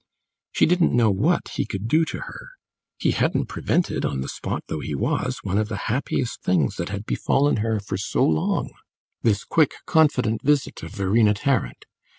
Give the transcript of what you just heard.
She didn't know what he could do to her; he hadn't prevented, on the spot though he was, one of the happiest things that had befallen her for so long this quick, confident visit of Verena Tarrant.